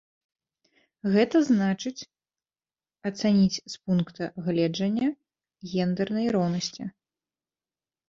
Гэта значыць, ацаніць з пункта гледжання гендэрнай роўнасці.